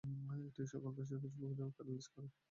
এটি সকল পেশি এবং ফুসফুসকে প্যারালাইজ করে দেয়।